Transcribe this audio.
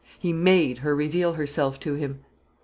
He made her reveal herself to him.